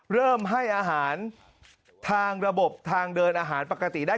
เริ่มให้อาหารทางระบบทางเดินอาหารปกติได้